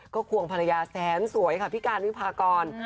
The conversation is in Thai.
ก็ควงภรรยาแสนสวยค่ะพี่การวิพากร